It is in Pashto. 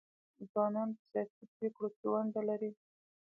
ځوانان په سیاسي پریکړو کې ونډه لري.